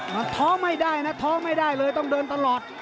มันท้อไม่ได้นะท้อไม่ได้เลยต้องเดินตลอด